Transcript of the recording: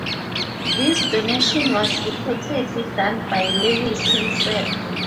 This donation was reportedly done by Lewis himself.